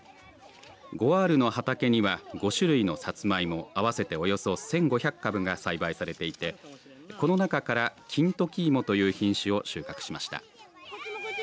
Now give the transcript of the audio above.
５アールの畑には５種類のさつまいも合わせておよそ１５００株が栽培されていてこの中から、金時芋という品種を収穫しました。